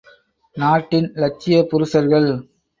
நாட்டின் லட்சிய புருஷர்கள்.